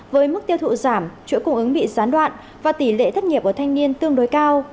với mức tiêu thụ giảm chuỗi cung ứng bị gián đoạn và tỷ lệ thất nghiệp ở thanh niên tương đối cao